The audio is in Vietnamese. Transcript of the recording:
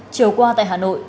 chiều qua tại hà nội